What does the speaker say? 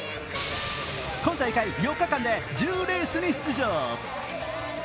今大会４日間で１０レースに出場。